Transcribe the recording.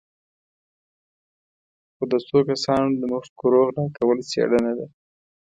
خو د څو کسانو د مفکورو غلا کول څېړنه ده.